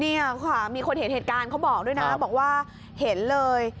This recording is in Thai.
เนี่ยค่ะมีคนเห็นเหตุการณ์เขาบอกด้วยนะบอกว่าเห็นเลย